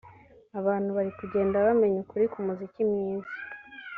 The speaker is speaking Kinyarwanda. abantu(abakunzi b’umuziki) bari kugenda bamenya ukuri k’umuziki mwiza”